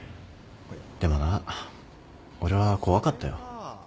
でもな俺は怖かったよ。